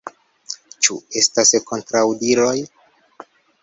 Ĉu estas kontraŭdiroj?